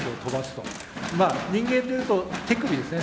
まあ人間でいうと手首ですね。